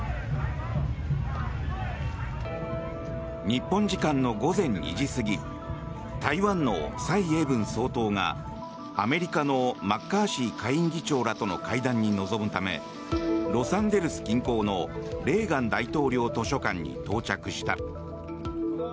日本時間の午前２時過ぎ台湾の蔡英文総統がアメリカのマッカーシー下院議長らとの会談に臨むためロサンゼルス近郊のレーガン大統領図書館に到着した。